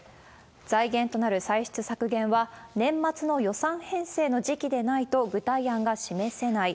財源となる歳出削減は、年末の予算編成の時期でないと具体案が示せない。